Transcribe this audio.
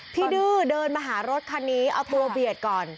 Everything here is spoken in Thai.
ดื้อเดินมาหารถคันนี้เอาตัวเบียดก่อน